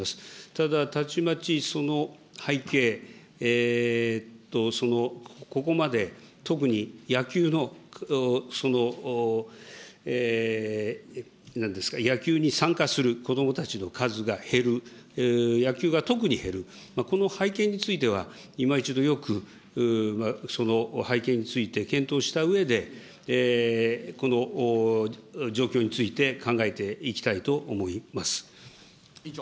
ただ、たちまちその背景、ここまで特に野球の、なんですか、野球に参加する子どもたちの数が減る、野球が特に減る、この背景についてはいまいちどよくその背景について検討したうえで、この状況について考えていきたいと思います。